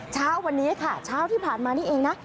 เช้าวันนี้ค่ะเช้าที่ผ่านมานี่เองนะ